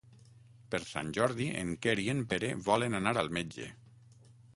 Per Sant Jordi en Quer i en Pere volen anar al metge.